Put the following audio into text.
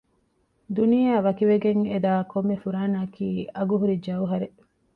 ދުނިޔެއާ ވަކިވެގެން އެ ދާ ކޮންމެ ފުރާނައަކީ އަގު ހުރި ޖައުހަރެއް